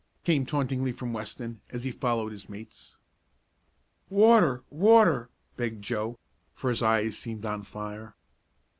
came tauntingly from Weston, as he followed his mates. "Water water!" begged Joe, for his eyes seemed on fire.